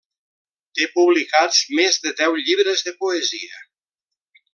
Té publicats més de deu llibres de poesia.